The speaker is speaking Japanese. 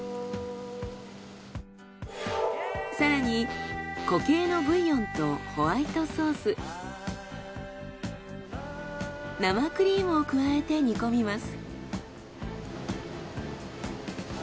更に固形のブイヨンとホワイトソース生クリームを加えて煮込みます。